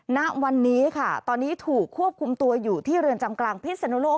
ณวันนี้ค่ะตอนนี้ถูกควบคุมตัวอยู่ที่เรือนจำกลางพิศนุโลก